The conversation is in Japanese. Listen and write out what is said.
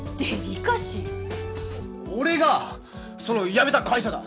俺がその辞めた会社だ。